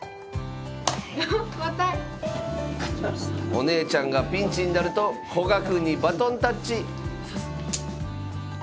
お姉ちゃんがピンチになると古賀くんにバトンタッチ。